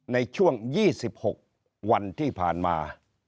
ในช่วง๒๖วันที่ผ่านมา